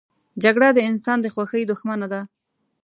جګړه د انسان د خوښۍ دښمنه ده